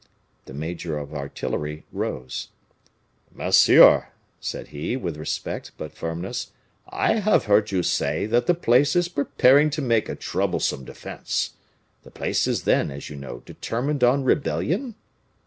The major of artillery rose. "Monsieur," said he, with respect, but firmness, "I have heard you say that the place is preparing to make a troublesome defense. The place is then, as you know, determined on rebellion?"